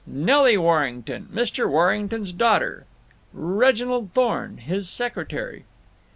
Nelly Warrington, Mr. Warrington's daughter. Reginald Thorne, his secretary.